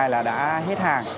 là đã hết hàng